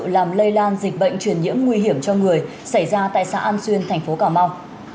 làm lây lan dịch bệnh truyền nhiễm nguy hiểm cho người xảy ra tại xã an xuyên thành phố cà mau